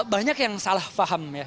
banyak yang salah paham ya